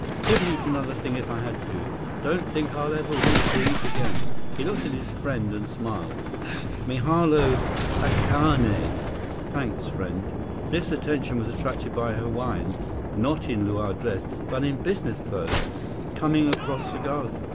"Couldn't eat another thing if I had to. Don't think I'll ever want to eat again." He looked at his friend and smiled. "Mahalo, aikane. Thanks, friend." Biff's attention was attracted by a Hawaiian, not in luau dress, but in business clothes, coming across the garden.